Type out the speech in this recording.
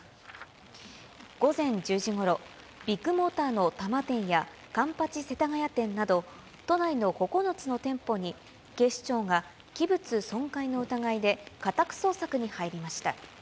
午前１０時ごろ、ビッグモーターの多摩店や環八世田谷店など、都内の９つの店舗に、警視庁が器物損壊の疑いで家宅捜索に入りました。